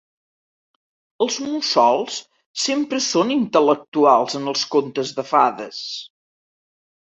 Els mussols sempre són intel·lectuals en els contes de fades.